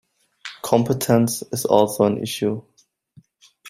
Competence is also an issue.